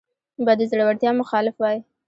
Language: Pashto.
به د زړورتیا مخالف وای